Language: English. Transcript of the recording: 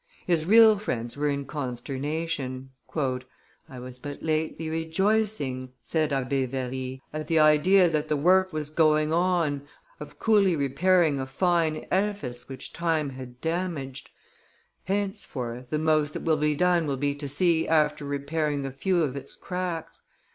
His real friends were in consternation. "I was but lately rejoicing," said Abbe Very, "at the idea that the work was going on of coolly repairing a fine edifice which time had damaged. Henceforth, the most that will be done will be to see after repairing a few of its cracks.